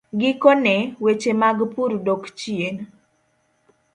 Gikone, weche mag pur dok chien.